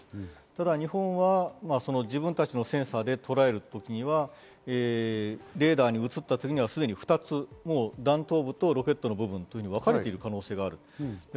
ただ、日本は自分たちのセンサーでとらえる時には、レーダーに映ったというのはすでに２つ、弾頭部とロケットの部分にわかれている可能性がある。